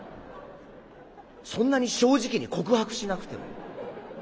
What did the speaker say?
そんなに正直に告白しなくても。